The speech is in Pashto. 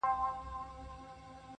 o دادی حالاتو سره جنگ کوم لگيا يمه زه.